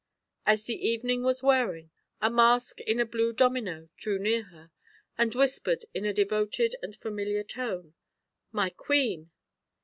As the evening was wearing, a mask in a blue domino drew near her, and whispered in a devoted and familiar tone, "My queen!"